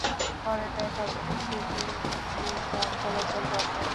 পরে দেখা গেল সেতুর ওপর দিয়ে যান চলাচল বন্ধ।